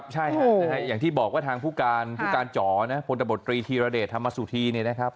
ใช่ค่ะอย่างที่บอกว่าทางผู้การผู้การจ๋อพลตบตรีธีระเด็ดธรรมสุธี